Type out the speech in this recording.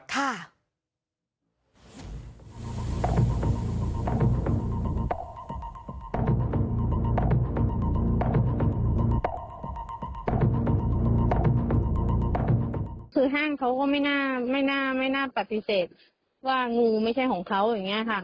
คือห้างเขาก็ไม่น่าไม่น่าปฏิเสธว่างูไม่ใช่ของเขาอย่างนี้ค่ะ